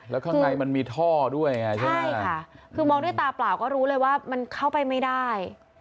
แล้วข้างในมันมีท่อด้วยไงใช่ไหมใช่ค่ะคือมองด้วยตาเปล่าก็รู้เลยว่ามันเข้าไปไม่ได้